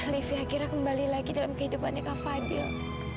livi akhirnya kembali lagi dalam kehidupannya kak fadil